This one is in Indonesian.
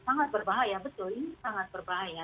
sangat berbahaya betul ini sangat berbahaya